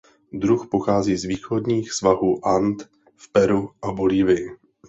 Druh pochází z východních svahů And v Peru a Bolívii.